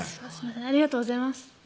ありがとうございます